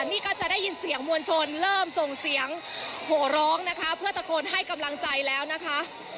นี่ก็จะได้ยินเสียงมวลชนเริ่มส่งเสียงโหร้องนะคะเพื่อตะโกนให้กำลังใจแล้วนะคะ